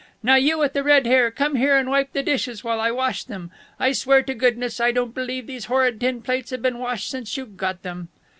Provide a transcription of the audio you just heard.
Now you with the red hair, come here and wipe the dishes while I wash them. I swear to goodness I don't believe these horrid tin plates have been washed since you got them."